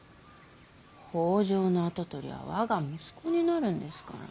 北条の跡取りは我が息子になるんですから。